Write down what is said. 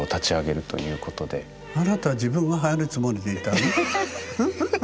あなた自分が入るつもりでいたの？